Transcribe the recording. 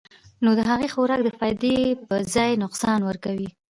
نو د هغې خوراک د فائدې پۀ ځائے نقصان ورکوي -